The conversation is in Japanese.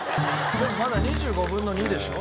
でもまだ２５分の２でしょ？